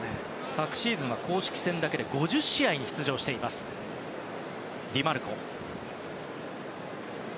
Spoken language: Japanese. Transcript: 昨シーズン公式戦だけで５０試合に出場のディマルコ。